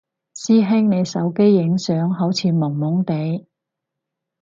師兄你手機影相好似朦朦哋？